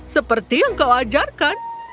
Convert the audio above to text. seperti yang kau ajarkan